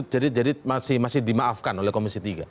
jadi masih dimaafkan oleh komisi tiga